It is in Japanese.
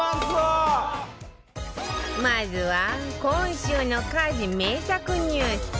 まずは今週の家事名作ニュース